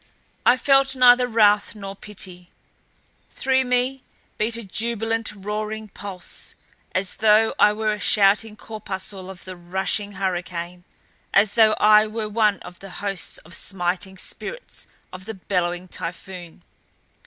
I felt neither wrath nor pity. Through me beat a jubilant roaring pulse as though I were a shouting corpuscle of the rushing hurricane, as though I were one of the hosts of smiting spirits of the bellowing typhoon.